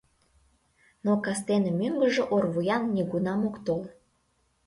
Но кастене мӧҥгыжӧ орвуян нигунам ок тол.